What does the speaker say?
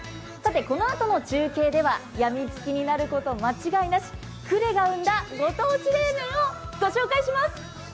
このあとの中継ではやみつきになること間違いなし呉市が生んだ、ご当地ラーメンをご紹介します。